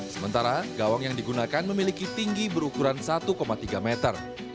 sementara gawang yang digunakan memiliki tinggi berukuran satu tiga meter